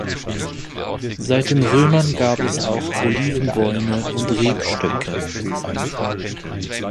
Seit den Römern gab es auch Olivenbäume und Rebstöcke.